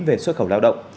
về xuất khẩu lao động